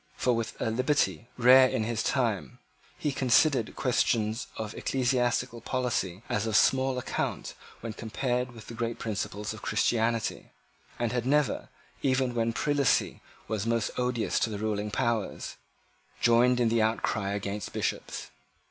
For, with a liberty rare in his time, he considered questions of ecclesiastical polity as of small account when compared with the great principles of Christianity, and had never, even when prelacy was most odious to the ruling powers, joined in the outcry against Bishops.